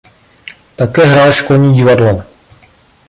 Také hrál školní divadlo.